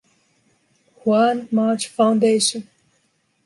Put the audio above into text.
Juan March Foundation.